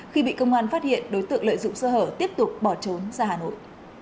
khi bị công an phát hiện đối tượng lợi dụng sơ hở tiếp tục bỏ trốn ra hà nội